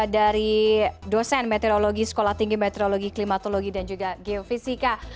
dari dosen meteorologi sekolah tinggi meteorologi klimatologi dan juga geofisika